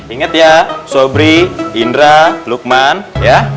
ingat ya sobri indra lukman ya